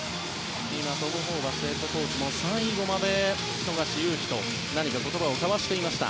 今、トム・ホーバスヘッドコーチも最後まで富樫勇樹と言葉を交わしていました。